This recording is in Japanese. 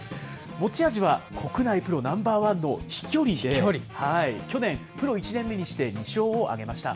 持ち味は国内プロナンバーワンの飛距離で、去年、プロ１年目にして２勝を挙げました。